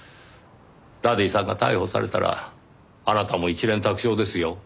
ダディさんが逮捕されたらあなたも一蓮托生ですよ。